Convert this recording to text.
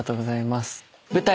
舞台